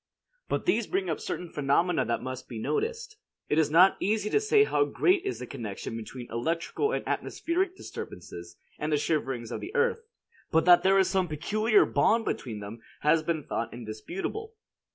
But these bring up certain phenomena that must be noticed. It is not easy to say how great is the connection between electrical and atmospheric disturbances, and the shiverings of the earth; but that there is some peculiar bond between them has been thought indisputable.